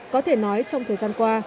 có thể nói trong thời gian qua